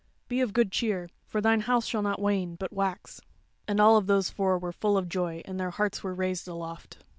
Be of good cheer; for thine house shall not wane, but wax." And all those four were full of joy and their hearts were raised aloft.